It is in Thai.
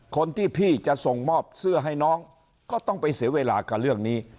คนที่พี่จะส่งมอบเสื้อให้น้องก็ต้องไปเสียเวลากับเรื่องนี้